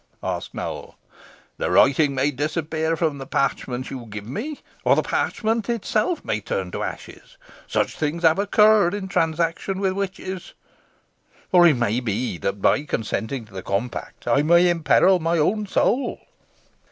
asked Nowell; "the writing may disappear from the parchment you give me, or the parchment itself may turn to ashes. Such things have occurred in transactions with witches. Or it be that, by consenting to the compact, I may imperil my own soul."